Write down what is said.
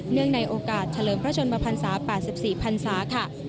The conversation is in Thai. เนื่องในโอกาสเฉลิมพระชนมภัณฑ์ศาสตร์๘๔ภัณฑ์ศาสตร์